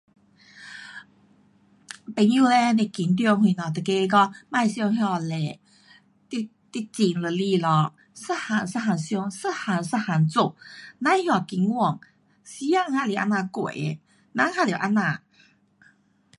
朋友嘞是紧张什么就跟他讲，别想那么多，你，你静下来咯，一样一样想，一样一样做，甭那么紧管，时间还是这样过的，人还得这样。